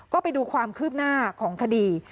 ก็ไปดูความคืบหน้าของคดี